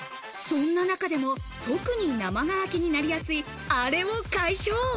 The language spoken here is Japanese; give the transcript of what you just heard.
そんな中でも、特に生乾きになりやすいあれを解消。